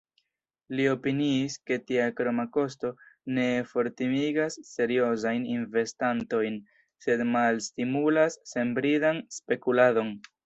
Li opiniis ke tia kroma kosto ne fortimigas seriozajn investantojn, sed malstimulas senbridan spekuladon.